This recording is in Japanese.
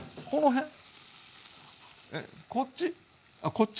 こっち？